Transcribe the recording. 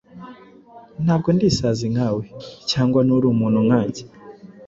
Ntabwo ndi isazi nkawe? Cyangwa nturi umuntu nkanjye?